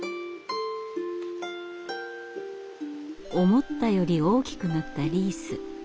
思ったより大きくなったリース。